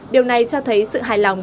điều này cho thấy sự hài lòng